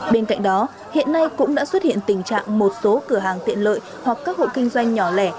bên cạnh đó hiện nay cũng đã xuất hiện tình trạng một số cửa hàng tiện lợi hoặc các hộ kinh doanh nhỏ lẻ